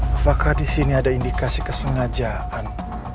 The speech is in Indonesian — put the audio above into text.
apakah disini ada indikasi kesengajaan